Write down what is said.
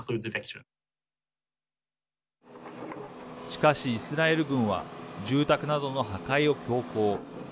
しかし、イスラエル軍は住宅などの破壊を強行。